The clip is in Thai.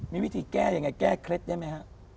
มีวิธีแก้อย่างไรแก้เคล็ดใช่ไหมคะ